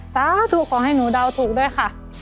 สาธุขอให้หนูเดาถูกด้วยค่ะ